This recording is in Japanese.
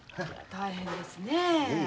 大変ですねえ。